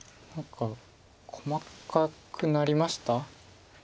何か細かくなりました。